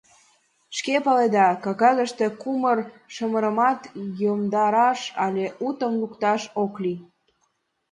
Шкат паледа: кагазыште кумыр-шымырымат йомдараш але утым лукташ ок лий.